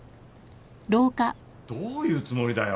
・どういうつもりだよ。